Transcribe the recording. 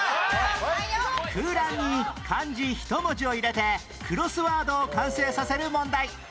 空欄に漢字１文字を入れてクロスワードを完成させる問題